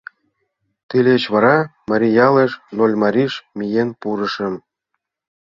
Тылеч вара марий ялыш — Нольмарийыш — миен пурышым.